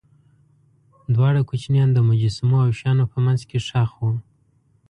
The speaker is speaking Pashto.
دواړه کوچنیان د مجسمو او شیانو په منځ کې ښخ وو.